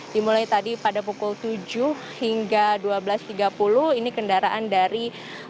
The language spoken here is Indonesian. dimulai tadi pada pukul tujuh hingga dua belas tiga puluh ini kendaraan dari